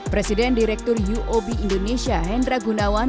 presiden direktur uob indonesia hendra gunawan